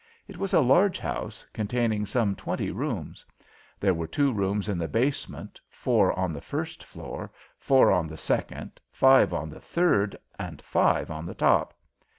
It was a large house, containing some twenty rooms. There were two rooms in the basement, four on the first floor, four on the second, five on the third, and five on the top.